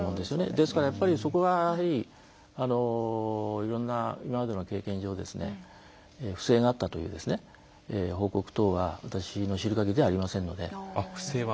ですから、そこはいろんな今までの経験上不正があったという報告等は私の知る限りではありませんので。